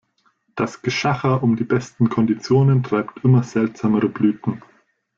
Das Geschacher um die besten Konditionen treibt immer seltsamere Blüten.